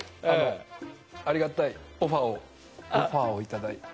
ありがたいオファーをいただいて。